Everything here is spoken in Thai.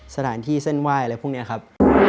สถานที่เส้นไหว้อะไรพวกนี้ครับ